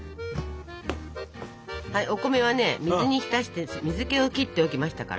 はいお米はね水に浸して水けを切っておきましたから。